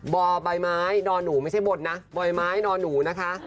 บ่อใบไม้นอนหนูไม่ใช่บนนะบ่อยไม้นอนหนูนะคะ